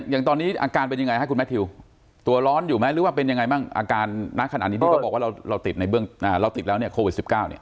อย่างตอนนี้อาการเป็นยังไงครับคุณแมททิวตัวร้อนอยู่ไหมหรือว่าเป็นยังไงบ้างอาการนั้นขนาดนี้ก็บอกว่าเราติดแล้วโควิด๑๙